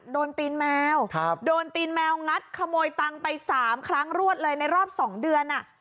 โดนตีนแมวครับโดนตีนแมวงัดขโมยตังไปสามครั้งรวดเลยในรอบสองเดือนอ่ะ